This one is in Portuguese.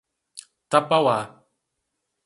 Tapauá